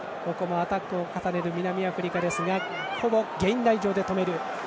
アタックを重ねる南アフリカですがほぼゲインライン上で止めている。